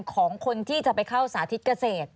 ของคนที่จะไปเข้าสาธิตเกษตร